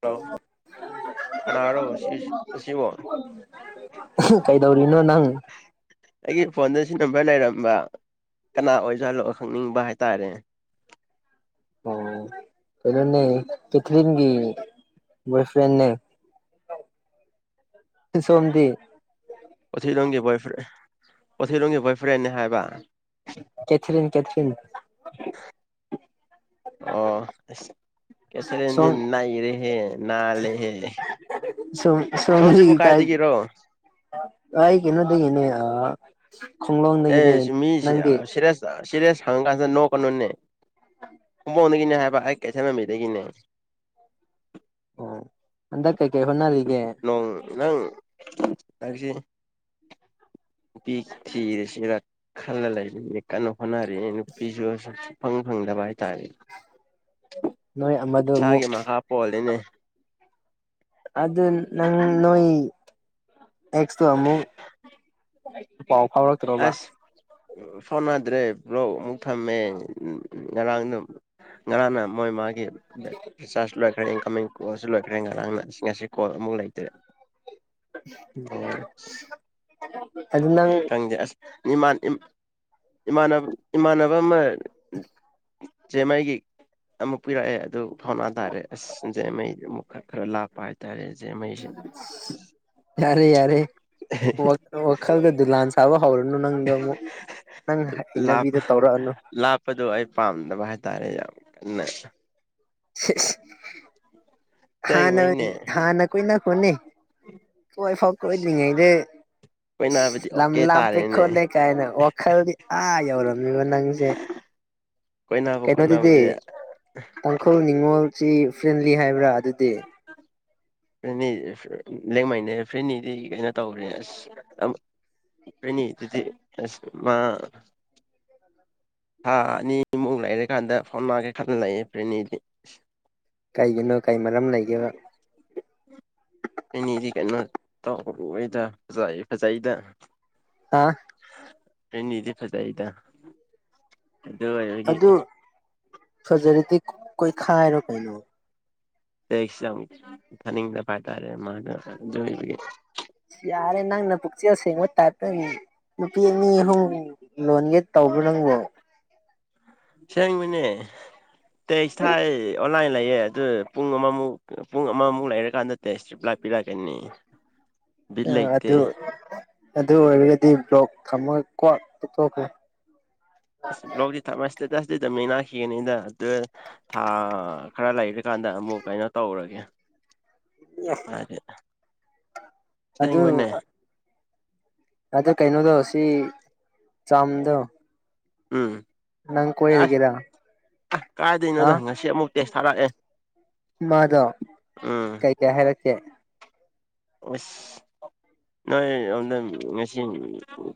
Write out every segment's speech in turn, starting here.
Hello ꯀꯅꯥꯔꯣ ꯁꯤ ꯑꯁꯤꯕꯣ ꯀꯩꯗꯧꯔꯤꯅꯣ ꯅꯪ ꯑꯩꯒꯤ ꯐꯣꯟꯗ ꯁꯤ ꯅꯝꯕꯔ ꯂꯩꯔꯝꯕ ꯀꯅꯥ ꯑꯣꯏꯁꯨ ꯍꯜꯂꯣꯑꯣ ꯈꯪꯅꯤꯡꯕ ꯍꯥꯏꯇꯥꯔꯦ ꯑꯣꯅꯦ ꯀꯊꯒꯤꯣꯌ ꯐ꯭ꯔꯦꯟꯅꯦ ꯁꯣꯗꯤ ꯎꯊꯤꯔꯣꯡꯒꯤ ꯣꯏ꯭ꯔ ꯄꯊꯤꯔꯣꯡꯒꯤ ꯕꯣꯏ ꯐ꯭ꯔꯦꯦ ꯍꯥꯏꯕ ꯀꯦꯊꯔꯤꯟ ꯀꯦꯊꯔꯤꯤꯟ ꯑꯣ ꯀꯦꯊꯔꯦꯟꯗꯤ ꯁꯣꯝ ꯅꯥꯏꯔꯦꯍꯦ ꯅꯥꯜꯂꯦꯍꯦ ꯁꯣꯝ ꯁꯝꯁꯤꯕꯨ ꯁꯣꯝꯗꯤ ꯀꯥꯏ ꯀꯥꯏꯗꯒꯤꯔꯣ ꯑ ꯑꯦ ꯃꯤꯁ ꯁꯦꯔ ꯆꯤꯔꯦ ꯁꯪꯉ ꯀꯥꯟꯁꯤꯗ ꯅꯣ ꯀꯩꯅꯣꯅꯦ ꯄꯣꯡꯣꯟꯗꯒꯤꯅꯦ ꯍꯥꯏꯕ ꯑꯩ ꯀꯩꯁꯂꯝꯝꯃꯤꯗꯒꯤꯅꯦ ꯑꯣꯗꯀꯀꯦ ꯍꯣꯟꯅꯜꯒ ꯀꯁꯤ ꯅꯨ ꯄꯤ ꯊꯤꯔꯦꯁꯤꯔ ꯈꯅ ꯂꯩ ꯀꯩꯅꯣ ꯍꯅꯦ ꯄꯁꯤꯁ ꯐꯪ ꯐꯪꯗꯕ ꯍꯥꯏ ꯇꯥꯔꯦ ꯅꯣꯏ ꯑꯃꯗꯣ ꯑꯃꯨꯛ ꯁꯥꯒꯤ ꯃꯈꯥ ꯄꯣꯜꯂꯤꯅꯦ ꯑꯗ ꯅꯪ ꯅꯣ ꯑꯦꯁ ꯋꯥꯃꯨ ꯄꯥꯎ ꯐꯥꯎꯔꯛꯇ꯭ꯔꯣꯕ ꯐꯣꯟꯅꯗ꯭ꯔꯦ ꯕ꯭ꯂꯧ ꯑꯃꯨꯛ ꯊꯝꯃꯦ ꯉꯔꯥꯡꯗ ꯉꯔꯥꯡꯅ ꯃꯣꯏ ꯃꯥꯒꯤ ꯆ ꯂ ꯈ ꯏꯪ ꯂ ꯈꯔꯦꯟ ꯉꯔꯥꯡ ꯅꯁꯤ ꯉꯁꯤ ꯀꯣꯜ ꯑꯃꯨꯛ ꯂꯩꯇ꯭ꯔꯦ ꯎꯝ ꯈꯪꯗꯦꯁ ꯏꯃꯥꯟ ꯏ ꯏꯃꯥꯟꯅꯕ ꯏꯃꯥꯟꯅꯕ ꯑꯃ ꯖꯦꯝꯃꯒꯤ ꯑꯃꯨꯛ ꯄꯤꯔꯛꯑꯦ ꯑꯗꯨ ꯐꯥꯎꯅꯥ ꯇꯥꯔꯦ ꯑꯁ ꯖꯦꯝꯃꯩ ꯑꯃꯨꯛ ꯈꯔ ꯈꯔ ꯂꯥꯞꯄ ꯍꯥꯏꯇꯥꯔꯦ ꯖꯦꯃꯩꯁꯦ ꯌꯥꯔꯦ ꯌꯥꯔꯦ ꯋꯥꯈꯔ ꯀꯗ ꯂꯥꯟ ꯊꯕꯣ ꯍꯧꯔꯅꯨ ꯅꯪꯗ ꯑꯃꯨꯛ ꯅꯪ ꯂꯥꯞꯄ ꯍꯩꯅꯕꯤꯗ ꯇꯧꯔꯛꯑꯅꯨ ꯂꯥꯞꯄꯗꯣ ꯑꯩ ꯄꯥꯝꯗꯕ ꯍꯥꯏꯇꯥꯔꯦ [unintelligible] [unintelligible] ꯍꯥ ꯅꯅꯤ ꯁꯦꯡꯕꯩꯅꯦ ꯍꯥ ꯅꯈꯣꯏ ꯅ ꯍꯅꯤ ꯀꯣꯏ ꯐꯥꯎ ꯀꯣꯏꯗ꯭ꯔꯤꯉꯩꯗ ꯀꯣꯏꯅꯕꯗꯤ ꯂꯝ ꯑꯣꯀꯦ ꯂꯥꯞꯄꯦ ꯇꯥꯔꯦꯅꯦ ꯈꯣꯠꯂꯦ ꯀꯥꯏꯅ ꯋꯥꯈꯜꯗꯤ ꯑꯥ ꯌꯧꯔꯝꯃꯤꯕ ꯅꯪꯁꯦ ꯀꯣꯏꯅꯕ ꯀꯩꯅꯣꯗꯨꯗꯤ ꯈꯣꯠꯅꯕꯗꯤ ꯇꯥꯡꯈꯨꯜ ꯅꯤꯡꯉꯣꯜ ꯁꯤ ꯐ꯭ꯔꯦꯟꯂꯤ ꯍꯥꯏꯕ꯭ꯔꯥ ꯑꯗꯨꯗꯤ ꯐ꯭ꯔꯦꯅꯤ ꯂꯦꯡꯃꯩꯅꯦ ꯐ꯭ꯔꯦꯅꯤꯗꯤ ꯀꯩꯅꯣ ꯇꯧꯈ꯭ꯔꯦ ꯑꯁ ꯐ꯭ꯔꯦꯅꯤꯗꯨꯗꯤ ꯑꯁ ꯃꯥ ꯊꯥ ꯑꯅꯤꯃꯨꯛ ꯂꯩꯔꯀꯥꯟꯗ ꯐꯥꯎꯅꯒꯦ ꯈꯜꯂꯦ ꯐ꯭ꯔꯦꯅꯤꯗꯤ ꯑꯁ ꯀꯩꯒꯤꯅꯣ ꯀꯩ ꯃꯔꯝ ꯂꯩꯒꯦꯕ ꯐ꯭ꯔꯦꯟꯅꯤꯗꯤ ꯀꯩꯅꯣ ꯇꯧꯔꯏꯗ ꯐꯖꯩ ꯐꯖꯩꯗ ꯑꯥ ꯐ꯭ꯔꯦꯟꯅꯤꯗꯤ ꯐꯦꯖꯩꯗ ꯑꯗꯨ ꯐꯖꯔꯗꯤ ꯀꯣꯏ ꯈꯥꯏꯔꯣ ꯀꯩꯅꯣ [unintelligible] ꯌꯥꯔꯦ ꯅꯪꯅ ꯄꯨꯛꯆꯦꯜ ꯁꯦꯡꯕ ꯇꯥꯏꯞꯇ ꯅꯨꯄꯤ ꯑꯅꯤ ꯑꯍꯨꯝ ꯂꯣꯟꯒꯦ ꯇꯧꯕꯣ ꯅꯪꯕꯨ ꯁꯦꯡꯕꯩꯅꯦ ꯇꯦꯛꯁ ꯊꯥꯏ ꯑꯣꯟꯂꯥꯏ ꯂꯩꯌꯦ ꯑꯗꯨ ꯄꯨꯡ ꯑꯃꯃꯨꯛ ꯄꯨꯡ ꯑꯃꯃꯨꯛ ꯂꯩꯔꯀꯥꯟꯗ ꯇꯦꯛꯁ ꯔꯤꯄ꯭ꯂꯥꯏ ꯂꯥꯛꯄꯤꯔꯛꯀꯅꯤ ꯕꯤꯠ ꯂꯩꯇꯦ ꯑꯗꯨ ꯑꯗꯨ ꯑꯣꯏꯔꯒꯗꯤ ꯕ꯭ꯂꯣꯛ ꯊꯝꯃꯣ ꯀꯣꯛ ꯇꯣꯛꯊꯣꯛꯈ꯭ꯔꯣ ꯕ꯭ꯂꯣꯛꯇꯤ ꯊꯝ ꯁꯇꯦꯇꯁꯇꯤ ꯗꯨꯝ ꯌꯦꯡꯅꯈꯤꯒꯅꯤꯗ ꯊꯥ ꯈꯔ ꯂꯩꯔꯀꯥꯟꯗ ꯑꯃꯨꯛ ꯀꯩꯅꯣ ꯇꯧꯔꯒꯦ [unintelligible] ꯑꯗꯨ ꯑꯁꯦꯡꯕꯅꯦ ꯑꯗ ꯀꯩꯅꯣꯗꯣ ꯁꯤ ꯆꯥꯝꯗꯣ ꯎꯝ ꯅꯪ ꯑꯁ ꯀꯣꯏꯔꯒꯦ ꯔꯥ ꯑꯁ ꯀꯥꯏꯗꯩꯅꯣꯗ ꯉꯁꯤ ꯑꯃꯨꯛ ꯇꯦꯛꯁ ꯊꯥꯔꯛ ꯑꯦ ꯃꯥꯗꯣ ꯀꯩ ꯀꯩ ꯍꯥꯏꯔꯛ ꯀꯦ ꯑꯁ ꯅꯣꯏ ꯑꯝꯗ ꯉꯁꯤ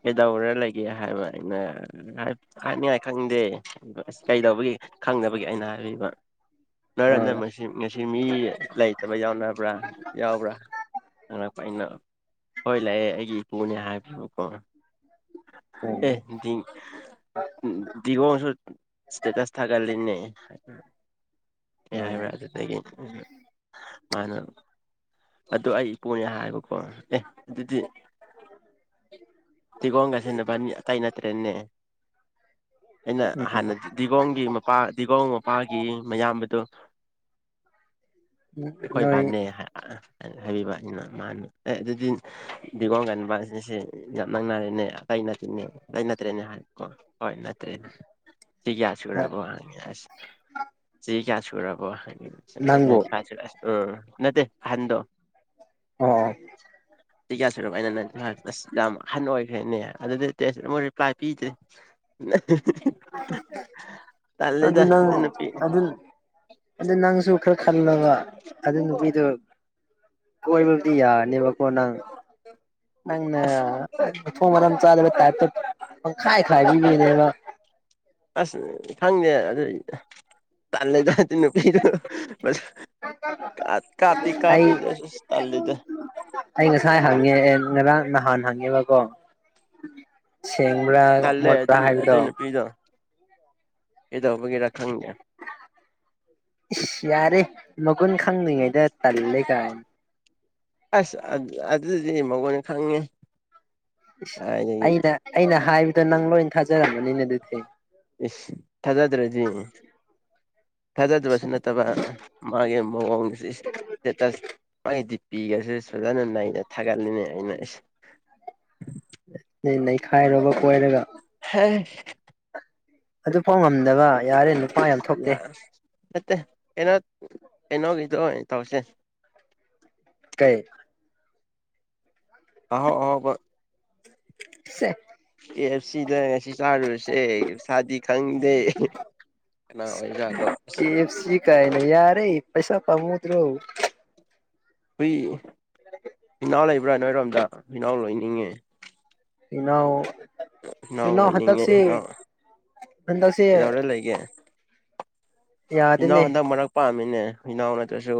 ꯀꯩꯗꯧꯔ ꯂꯩꯒꯦ ꯍꯥꯏꯕ ꯑꯩꯅ ꯍꯥꯏꯅꯤꯡꯉꯥꯏ ꯈꯪꯗꯦ ꯑꯁ ꯀꯩꯗꯧꯕꯒꯤ ꯈꯪꯗꯕꯒꯤ ꯑꯩꯅ ꯍꯥꯏꯕꯤꯕ [unintelligible] ꯑ ꯉꯁꯤ ꯃꯤ ꯂꯩꯇꯕ ꯌꯥꯎꯅꯕ꯭ꯔꯥ ꯌꯥꯎꯕ꯭ꯔꯥ ꯑꯩꯅ ꯍꯣꯏ ꯂꯥꯛꯑꯦ ꯑꯩꯒꯤ ꯏꯄꯨꯅꯦ ꯍꯥꯏꯕꯤꯕꯀꯣ ꯑꯦ ꯎꯝ [unintelligible] ꯁꯨ ꯁꯇꯦꯇꯁ ꯊꯒꯠꯂꯤꯅꯦ [unintelligible] ꯑꯦ ꯎꯝ ꯍꯥꯏꯕ꯭ꯔꯥ ꯑꯗꯨꯗꯒꯤ ꯎꯝ ꯃꯥꯅ ꯑꯗꯨꯗ ꯑꯩꯏ ꯄꯨꯅꯤꯌꯥ ꯍꯥꯏꯕ ꯑꯣ ꯑꯦ ꯑꯗꯨꯗꯤ ꯗꯤꯒꯣꯝꯒ ꯁꯦꯟꯅꯕ ꯑꯇꯩ ꯅꯠꯇ꯭ꯔꯦꯅꯦ ꯑꯩꯅ ꯎꯝ ꯍꯥꯟꯅꯗꯤ ꯗꯤꯒꯣꯒꯤ ꯃꯄꯥ ꯗꯤꯒꯣ ꯃꯄꯥꯒꯤ ꯃꯌꯥꯝꯕꯗꯣ ꯈꯣꯏ ꯅꯣꯏ ꯅꯦ ꯍꯥꯏꯔꯤꯕ ꯃꯥꯅ ꯑꯦ ꯑꯗꯨꯗꯤ ꯗꯤꯒꯣꯒꯟꯕ ꯑꯁꯤꯁꯦ ꯌꯥꯝ ꯅꯪꯅꯔꯦꯅꯦ ꯑꯇꯩ ꯅꯠꯇꯦꯅꯦ ꯑꯇꯩ ꯅꯠꯇ꯭ꯔꯦꯅꯦ ꯍꯥꯏꯀꯣ ꯍꯣꯏ ꯅꯠꯇ꯭ꯔꯦ ꯁꯤ ꯀꯌꯥꯁꯨ ꯔꯔꯕꯣꯪꯉꯁ ꯁꯤ ꯀ ꯇꯒ ꯍꯥꯏ ꯎ ꯅꯪꯕꯨ ꯆꯁꯨ ꯎ ꯅꯠꯇꯦ ꯍꯟꯗꯣ ꯑꯣ ꯀꯌꯥ ꯁꯔꯕ ꯑꯩꯅ ꯏ ꯑꯁ ꯌꯥꯝ ꯍꯟ ꯑꯣꯏꯈ꯭ꯔꯦꯅꯦ ꯑꯗꯨꯗꯤ ꯑꯃ ꯔꯤꯄ꯭ꯂꯥꯏ ꯄꯤꯗ꯭ꯔꯦ ꯑꯗꯨ ꯇꯜꯂꯦꯗ ꯅꯪ ꯅꯨꯄꯤ ꯑꯗꯨ ꯑꯗꯨ ꯅꯪꯁꯨ ꯈꯔ ꯈꯜꯂꯒ ꯑꯗꯨ ꯅꯨꯄꯤꯗꯨꯣ ꯀꯣꯏꯕꯕꯨꯗꯤ ꯌꯥꯔꯅꯦꯕ ꯄꯅ ꯅꯪꯅ ꯑꯁ ꯃꯊꯣꯡ ꯃꯔꯝ ꯆꯥꯂꯕ ꯇꯥꯏꯇ ꯄꯪꯈꯥꯏ ꯈꯥꯏ ꯄꯤꯕꯤꯅꯦꯕ ꯑꯁ ꯈꯪꯅꯦꯦ ꯑꯗꯨ ꯇꯗ ꯄꯤꯔ ꯀ ꯀꯥꯄꯤ ꯑꯩ ꯀꯥꯄꯤꯗ ꯇꯜꯗ ꯅꯍꯥꯟꯅ ꯍꯪꯉꯦꯕꯀꯣ ꯃꯣꯔ ꯄꯍꯔꯗ ꯑꯦꯗ ꯍꯕꯒꯤ ꯔ ꯌꯥꯔꯦ ꯃꯒꯣꯟ ꯈꯪꯅꯤꯡꯉꯥꯏꯗ ꯇꯂ ꯀꯥꯏꯟ ꯑꯁ ꯑꯗꯨꯗꯤ ꯃꯒꯣꯏꯅ ꯈꯪꯉꯦ ꯀꯥꯏꯗꯒꯤ ꯑꯩꯅ ꯑꯩꯅ ꯍꯥꯏꯕ ꯇꯪ ꯣ ꯏ ꯊꯥꯖꯔꯅꯤꯅꯦꯗꯤꯦ ꯏꯁ ꯊꯥꯖꯗ꯭ꯔꯗꯤ ꯊꯥꯖꯗꯕꯁꯨ ꯅꯠꯇꯕ ꯃꯥꯒꯤ ꯃꯑꯣꯡ ꯏꯁꯇꯦ ꯃꯥꯒꯤ ꯄꯤꯒꯁꯦ ꯐꯖꯅ ꯅꯅ ꯊꯥꯒꯠꯂꯤꯅꯦ ꯑꯩꯅꯁ ꯅ ꯅꯩꯈꯥꯏꯔꯣꯔꯕ ꯀꯣꯏꯔꯒ ꯍ ꯑꯗꯨ ꯐꯥꯎ ꯉꯝꯗꯕ ꯌꯥꯔꯦ ꯅꯨꯄꯥ ꯌꯥꯝ ꯊꯣꯛꯇꯦ ꯌꯥ ꯅꯠꯇ ꯅ ꯑꯦꯅ ꯀꯤꯊꯣ ꯇꯧꯁ ꯀꯩ ꯑꯍꯣ ꯑꯣ ꯁꯦ ꯑꯦ ꯑꯦꯐ ꯁꯤꯗ ꯁꯤ ꯆꯥꯔꯨꯔꯁꯦ ꯁꯥꯥꯗꯤ ꯈꯪꯗꯦ ꯀꯅꯥ ꯑꯣꯏꯖꯥꯠꯅꯣ ꯑꯁ ꯀꯦ ꯑꯦꯐ ꯁꯤ ꯑꯣ ꯀꯥꯏꯅ ꯌꯥꯔꯦ ꯄꯩꯁꯥ ꯄꯝꯅ ꯀꯨꯠꯇ꯭ꯔꯨ ꯐ ꯏꯅꯥꯎ ꯂꯩꯕ꯭ꯔꯥ ꯅꯣꯏꯔꯣꯝꯗ ꯏꯅꯥꯎ ꯂꯣꯏ ꯏꯉ ꯏꯩꯅ ꯏꯅꯥꯎ ꯂꯣꯏꯅꯤꯡꯉꯦꯅꯥꯎ ꯍꯟꯗꯛꯁꯦ ꯀꯩꯗꯧꯔ ꯂꯩꯒꯦ ꯏꯩꯅ ꯌꯥꯗꯦꯅꯦ ꯍꯗ ꯃꯔꯔꯛ ꯄꯥꯝꯃꯤꯅꯦ ꯍꯨꯅꯥꯎ ꯅꯠꯇ꯭ꯔꯁꯨ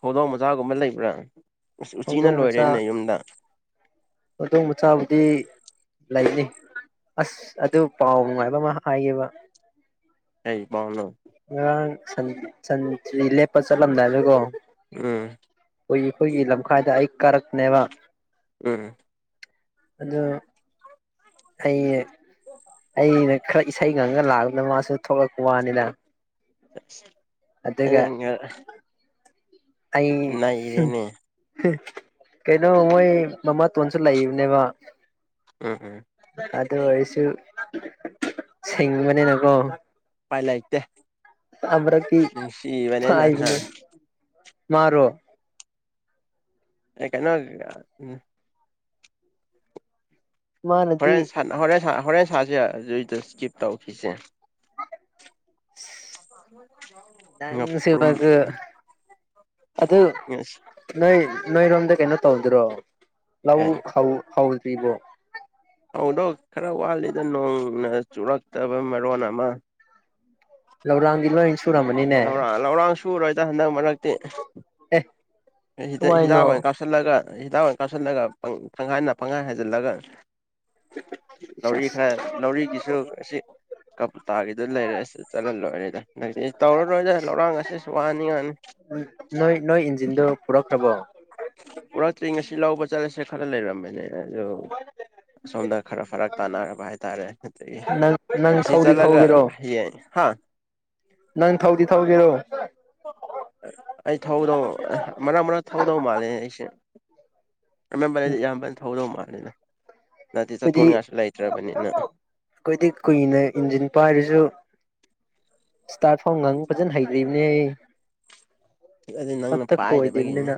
ꯍꯧꯗꯣꯡ ꯃꯆꯥꯒꯨꯝꯕ ꯂꯩꯕ꯭ꯔꯥ ꯑꯁ ꯎꯆꯤꯅ ꯂꯣꯏꯔꯦꯅꯦ ꯌꯨꯝꯗ ꯈꯨꯗꯣꯡ ꯃꯆꯥꯕꯨꯗꯤ ꯂꯩꯅꯤ ꯑꯁ ꯑꯗꯨ ꯄꯥꯎ ꯉꯥꯏꯕ ꯑꯃ ꯍꯥꯏꯕ ꯑꯩ ꯥꯎꯂꯣ ꯉꯔꯥꯡꯟ ꯁꯟ ꯂꯦꯞꯄ ꯆꯠꯂꯝꯗꯥꯏꯗꯨꯀꯣ ꯎꯝ ꯑꯩꯈꯣꯏ ꯑꯩꯈꯣꯏꯒꯤ ꯂꯝꯈꯥꯏꯗ ꯑꯩ ꯀꯥꯔꯛꯅꯦꯕ ꯎ ꯑꯗꯨ ꯑꯩ ꯑꯩꯅꯦ ꯈꯔ ꯏꯁꯩ ꯉꯪꯉꯒ ꯂꯥꯛꯑꯄꯅ ꯃꯥꯁꯨ ꯊꯣꯛꯂꯛꯄ ꯋꯥꯅꯤꯅ ꯑ ꯑꯗꯨꯒ ꯑꯗꯨꯉ ꯑꯩ ꯀꯩꯅꯣ ꯃꯣꯏ ꯃꯃꯥ ꯇꯣꯟꯁꯨ ꯂꯩꯕꯅꯦꯕ ꯎꯝ ꯎꯝ ꯑꯗꯨꯣ ꯑꯣꯏꯁꯨ ꯁꯦꯡ ꯃꯅꯤ ꯅꯀꯣ ꯄꯥꯏ ꯂꯥꯏꯇ ꯑꯃꯔꯛꯇꯤ ꯁꯤꯕꯅꯦꯅ ꯍꯥ ꯍꯥꯏꯕꯅꯦ ꯃꯥꯔꯣ ꯑꯦ ꯀꯩꯅꯣ ꯎꯝ ꯃꯥꯅꯗꯤ ꯍꯣꯔꯦꯟ ꯁ ꯍꯣꯔꯦꯟ ꯁ ꯍꯣꯔꯦꯟ ꯁꯥꯁꯦ ꯑꯗꯨꯏꯗ ꯏꯁꯀꯤꯞ ꯇꯧꯈꯤꯁꯦ ꯉꯥꯄ꯭ꯔꯨꯝ ꯁꯤꯃꯒ ꯑ ꯉꯁꯤ ꯅꯣꯏ ꯅꯣꯏꯣꯏ ꯔꯣꯝꯗ ꯀꯩꯅꯣ ꯇꯧꯗꯔꯣ ꯂ ꯑꯦ ꯍ ꯍ ꯄꯤꯗ ꯑꯗꯣ ꯈꯔ ꯋꯥꯠꯂꯤꯗ ꯅꯣꯡꯅ ꯆꯨꯔꯛꯇꯕ ꯃꯔꯣꯟ ꯑꯃ ꯂꯧꯔꯥꯡꯗꯤ ꯂꯣꯏ ꯁꯨꯔꯝꯃꯅꯤꯅꯦ? ꯂꯧꯔꯥꯡ ꯂꯧꯔꯥꯡ ꯁꯨꯔꯣꯏꯗ ꯍꯟꯗꯛ ꯃꯔꯛꯇꯤ ꯑ ꯍꯤꯗꯥꯛ ꯑꯣꯏꯅ ꯀꯥꯞꯁꯤꯜꯂꯒ ꯍꯤꯗꯥꯛ ꯑꯣꯏꯅ ꯀꯥꯁꯤꯜꯂꯒꯪꯍꯥꯏꯅ ꯄꯪꯈꯥꯏ ꯍꯩꯖꯤꯜꯂꯒ ꯂꯧꯔꯤ ꯁꯁ ꯈꯔ ꯂꯧꯔꯤꯒꯤꯁꯨ ꯑꯁꯤ ꯀꯕꯨꯇꯥꯒꯤꯗꯨ ꯂꯩꯔꯦꯁ ꯆꯜꯍꯜꯂꯣꯏꯔꯦꯗ ꯑꯗꯤ ꯇꯧꯔꯔꯣꯏꯗꯦ ꯂꯧꯔꯥꯡ ꯑꯁꯤꯁꯨ ꯋꯥꯅꯤꯡꯉꯅꯤ ꯏꯗ ꯄꯨꯔꯛꯈꯔ꯭ꯕꯣ? ꯄꯨꯔꯛꯇ꯭ꯔꯤ ꯉꯁꯤ ꯂꯧꯕ ꯆꯠꯂꯁꯦ ꯈꯔ ꯂꯩꯔꯝꯃꯦꯅꯦ꯫ ꯑꯗꯨ ꯁꯣꯝꯗ ꯈꯔ ꯐꯔꯛ ꯇꯥꯟꯅꯔꯕ ꯍꯥꯏꯇꯥꯔꯦ ꯑꯗꯒꯤ ꯅꯪ ꯅꯪ ꯑꯁꯤ ꯊꯧꯗꯤ ꯆꯠꯂꯒ ꯊꯧꯒꯦꯔꯣ ꯍꯌꯦꯡ ꯍꯥ ꯅꯪ ꯊꯧꯗꯤ - ꯊꯧꯗꯤ ꯔꯣ? ꯑꯩ ꯊꯧꯗꯧ ꯃꯔꯛ - ꯃꯔꯛ ꯊꯧꯗꯧ ꯃꯥꯜꯂꯦ ꯑꯩꯁꯦ ꯫ [inaudible] ꯑꯦꯃꯝꯕꯗꯗꯤ ꯌꯥꯝꯕꯅ ꯊꯧꯗꯣ ꯃꯥꯜ ꯑꯅ ꯑꯩꯗꯤ ꯑꯩꯈꯣꯏꯗꯤ ꯀꯨꯏꯅ ꯏꯟꯖꯤꯟ ꯄꯥꯏꯔꯁꯨ ꯏꯁꯇꯥꯔꯠ ꯐꯣꯝꯒꯥꯡ ꯐꯖꯅ ꯍꯩꯗ꯭ꯔꯤꯕꯅꯦ ꯑꯩ ꯑꯗꯨꯗꯤ ꯅꯪꯅ ꯑꯇ ꯄꯥꯏꯗꯕꯒꯤꯅꯦ ꯈꯣꯏꯗꯦꯕꯅꯤꯅ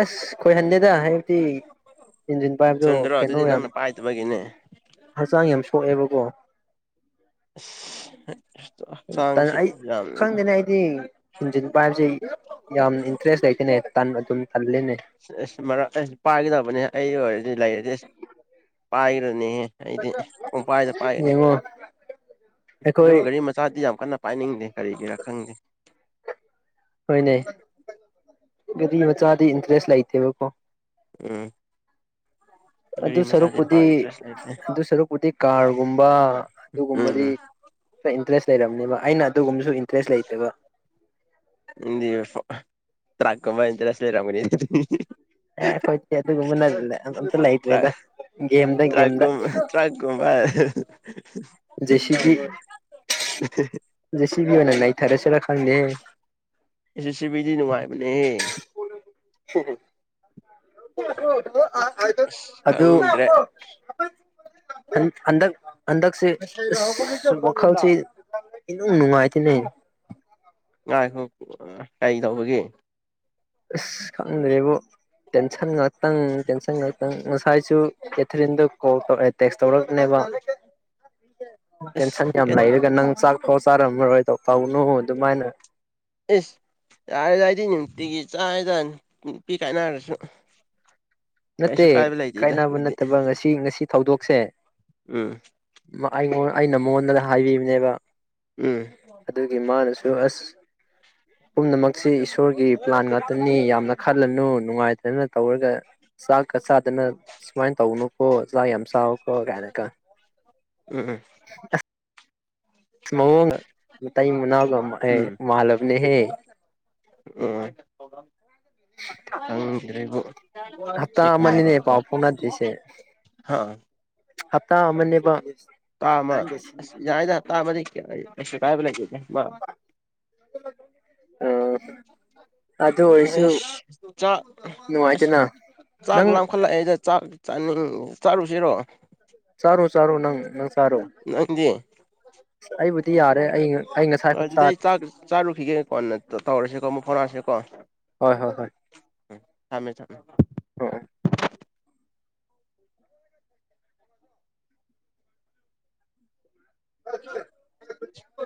ꯑꯁ ꯈꯣꯏꯍꯟꯗꯦꯗ ꯍꯥꯏꯕꯗꯤ ꯏꯟꯁꯤꯟ ꯄꯥꯏꯕꯗꯣ ꯆꯨꯝꯗ꯭ꯔꯣ ꯀꯩꯅꯣ ꯑꯗꯨꯗꯤ ꯌꯥꯝ ꯅꯪꯅ ꯄꯥꯏꯗꯕꯒꯤꯅꯦ ꯍꯛꯆꯥꯡ ꯌꯥꯝ ꯁꯣꯛꯑꯦꯕꯀꯣ ꯑꯁ ꯍꯛꯆꯥꯡꯁꯦ ꯑꯩ ꯌꯥꯝꯅ ꯈꯪꯗꯦꯅꯦ ꯑꯩꯗꯤ ꯏꯟꯖꯤꯟ ꯄꯥꯏꯕꯕꯁꯤꯦ ꯌꯥꯝ ꯏꯟꯇꯔꯦꯁ ꯂꯩꯇꯅꯦ ꯑꯗꯨꯝ ꯇꯜꯂꯦꯅꯦ ꯑꯁ ꯃꯔꯛ ꯑꯁ ꯄꯥꯒꯗꯕꯅꯦ ꯑꯩ ꯑꯣꯏ ꯂꯩꯔ꯭ꯗꯤ ꯑꯁꯤ ꯄꯥꯏꯒꯗꯧꯅꯤꯍꯦ ꯫ ꯑꯩꯗꯤ ꯄꯣꯝꯄꯥꯏꯗ ꯄꯥꯏꯒꯅꯤ ꯌꯦꯡꯉꯣ ꯑꯩꯈꯣꯏ ꯑꯗꯨꯒ ꯒꯥꯔꯤ ꯃꯆꯥꯗꯤ ꯌꯥꯝ ꯀꯟꯅ ꯄꯥꯏꯅꯤꯡꯗꯦ ꯀꯔꯤꯒꯤꯔꯥ ꯈꯪꯗꯦ ꯫ ꯍꯣꯏꯅꯦ ꯗꯤ ꯃꯆꯥꯗꯤ ꯏꯟꯇꯔꯦꯁ ꯂꯩꯇꯦꯕꯀꯣ ꯫ ꯎꯝ꯫ ꯑꯗꯨ ꯒꯥꯔꯤ ꯃꯆꯥꯗꯤ ꯁꯔꯨꯛꯄꯨꯗꯤ ꯄꯥꯛ ꯏꯟꯇꯔꯦꯁ ꯂꯩꯇꯦ ꯑꯗꯨ ꯁꯔꯨꯛꯄꯨꯗꯤ ꯀꯥꯔꯒꯨꯝꯕ ꯎꯝ ꯑꯗꯨꯒꯨꯝꯕꯗꯤ ꯎꯝ ꯈꯔ ꯏꯟꯇꯔꯦꯁ [unintelligible] ꯑꯩꯅ ꯑꯗꯨꯒꯨꯝꯕꯁꯨ ꯏꯟꯇꯔꯦꯁ ꯂꯩꯇꯕ ꯇ꯭ꯔꯥꯛꯀꯝꯕꯟꯇꯔꯦꯁ ꯂꯩꯔꯃꯅꯤ ꯑꯦ ꯈꯣꯏꯦ ꯑꯗꯨ ꯃꯅꯂ ꯂꯥꯏꯠꯦꯗ ꯇ꯭ꯔꯥꯛ ꯦꯗ ꯦꯗ ꯇ꯭ꯔꯥꯛꯀꯨꯝꯕ ꯇ꯭ꯔꯥꯛꯀꯨꯝꯕ [unintelligible] ꯑꯣꯏꯅꯅ ꯂꯩ ꯁꯤꯕꯤꯗꯤ ꯅꯨꯡꯃꯥꯏꯕꯅꯦ ꯁꯤ ꯑꯁ ꯈꯪꯗ꯭ꯔꯦ ꯑꯟꯗ ꯑꯗꯛꯁꯤ ꯋꯥꯈꯜꯁꯤ ꯅꯨꯡꯉꯥꯏꯇ ꯅ ꯉꯥꯏꯈ ꯀꯔꯤ ꯇꯧꯕꯒꯦ ꯑꯁ ꯈꯪꯗ꯭ꯔꯦꯕꯨ ꯇꯦꯟꯁꯟ ꯉꯥꯛꯇꯪ ꯇꯦꯟꯁꯟ ꯉꯥꯛꯇꯪ ꯉꯁꯥꯏꯁꯨ ꯀꯦꯊꯔꯤꯟꯗ ꯀꯣꯜ ꯇꯧꯔꯛꯑꯦ ꯇꯦꯛꯁ ꯇꯧꯔꯅꯦꯕ ꯇꯦꯟꯁꯟ ꯑꯁ ꯌꯒ ꯅꯪ ꯆ ꯍꯣ ꯆꯥꯔꯝꯃꯔꯣꯏ ꯇꯧ ꯇꯧꯅꯨ ꯑꯗꯨꯃꯥꯏꯅ ꯏꯁ ꯌꯥꯔꯦ ꯌꯥꯏꯇ ꯑꯤꯒꯤ ꯆꯥꯗ ꯅꯨꯄꯤ ꯀꯥꯏꯅꯔꯁꯨ ꯅꯠꯇꯦ ꯀꯩꯁꯨ ꯀꯥꯏꯕ ꯂꯩꯇꯦꯗ ꯀꯥꯏꯅꯕ ꯑꯩꯗꯤ ꯅꯠꯇꯕ ꯉꯁꯤ ꯉꯁꯤ ꯊꯧꯗꯣꯛ ꯁ ꯎꯝ ꯑꯩ ꯑꯩꯅ ꯃꯣꯟꯗ ꯍꯥꯏꯕꯤꯕꯅꯦꯕ ꯎꯝ ꯑꯗꯨꯒꯤ ꯃꯥꯅꯁꯨ ꯑꯁ ꯄꯨꯝꯅꯃꯛꯁꯤ ꯏꯁꯣꯔꯒꯤ ꯄ꯭ꯂꯥꯟ ꯉꯥꯛꯇꯅꯤ ꯌꯥꯝꯅ ꯈꯜꯂꯅꯨ ꯅꯨꯡꯉꯥꯏꯇꯅ ꯇꯧꯔꯒ ꯆꯥꯛꯀ ꯆꯥꯗꯅ ꯁꯨꯃꯥꯏꯅ ꯇꯧꯅꯨꯀꯣ ꯆꯥꯛ ꯌꯥꯝ ꯆꯥꯀꯣ ꯀꯥꯏꯅꯒ ꯎꯝ ꯃꯑꯣ ꯇꯏ ꯃꯨꯅꯥꯒ ꯃꯂꯕꯅꯦꯍꯦ [unintelligible] ꯑ [unintelligible] ꯍꯞꯇꯥ ꯑꯃꯅꯤꯅꯦ ꯄꯥꯎ ꯐꯥꯎꯅꯗ꯭ꯔꯤꯁꯦ ꯍꯞꯇꯥ ꯑꯃꯅꯦꯕ ꯇꯥ ꯑꯃ ꯌꯥꯏꯗ ꯇꯥꯕꯗꯤ ꯀꯌꯥ ꯀꯥꯏꯕ ꯂꯩꯦꯦ ꯑꯁ ꯑ ꯑꯗꯨ ꯑꯣꯏꯔꯁꯨ ꯆꯥꯛ ꯑꯁ ꯅꯨꯡꯉꯥꯏꯇꯦꯅ ꯆꯥꯛ ꯅꯪ ꯂꯈꯠꯂꯛꯑꯦꯗ ꯆꯥꯛ ꯆꯥꯅꯤꯡ ꯆꯥꯔꯨꯁꯤꯔꯣ ꯁꯔꯨ ꯁꯔꯨ ꯅꯪ ꯅꯪ ꯁꯔꯣ ꯅꯪꯗꯤ ꯑꯩꯕ ꯇꯤꯌꯥ ꯑꯗꯨꯗꯤ ꯑꯩ ꯆꯥꯛ ꯆꯥꯔꯨꯈꯤꯒꯦ ꯀꯣꯟꯅ ꯇꯧꯔꯁꯤꯦꯀꯣ ꯑꯃꯨꯛ ꯍꯔꯁꯤꯦ ꯀꯣ ꯍꯣꯏ ꯍꯣꯏ ꯍꯣꯏ ꯊꯃꯦ ꯊꯝꯃꯦ ꯑ ꯎ